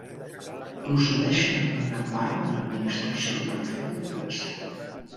Procedeixen en una gran part de l’administració perifèrica de l’Estat.